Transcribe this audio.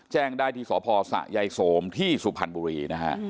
แจ้งได้ที่สศยายสมที่สุพรรณบุรี